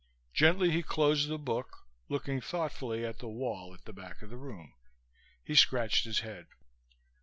Gently he closed the book, looking thoughtfully at the wall at the back of the room. He scratched his head.